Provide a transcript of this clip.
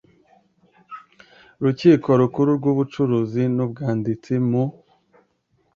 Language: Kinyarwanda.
rukiko rukuru rw ubucuruzi n umwanditsi mu